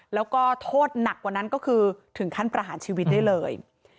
แล้วก็โทษหนักกว่านั้นก็คือถึงขั้นประหารชีวิตได้เลย